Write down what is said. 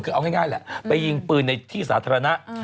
คือเอาง่ายแหละไปยิงปืนในที่สาธารณะ